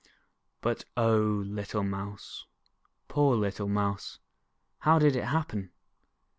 But, oh, little Mouse, poor little Mouse, how did it happen?